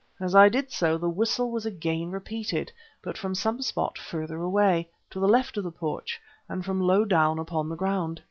As I did so, the whistle was again repeated, but from some spot further away, to the left of the porch, and from low down upon the ground.